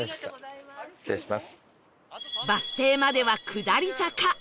バス停までは下り坂